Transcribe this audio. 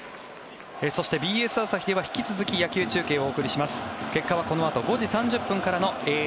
そして、ＢＳ朝日では引き続き野球中継をお送りします。